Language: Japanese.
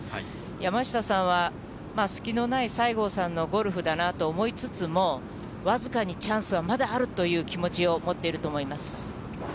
山下さんは、隙のない西郷さんのゴルフだなと思いつつも、僅かにチャンスはまだあるという気持ちを持っていると思います。